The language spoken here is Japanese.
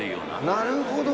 なるほど。